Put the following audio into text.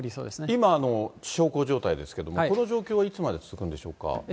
今、小康状態ですけれども、この状況はいつまで続くんでしょうか？